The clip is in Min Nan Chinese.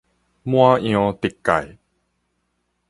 滿洋直蓋